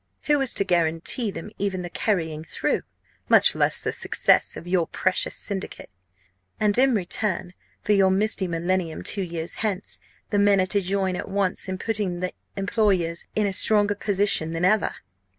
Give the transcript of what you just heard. Who is to guarantee them even the carrying through, much less the success, of your precious syndicate? And, in return for your misty millennium two years hence, the men are to join at once in putting the employers in a stronger position than ever?